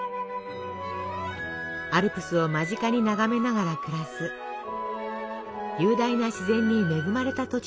アルプスを間近に眺めながら暮らす雄大な自然に恵まれた土地なんです。